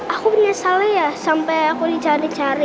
aku menyesalnya ya sampai aku dicari cari